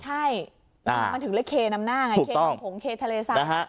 ใช่มันถึงเลือกเคนำหน้าไงเคนมผงเคเทเลไซน์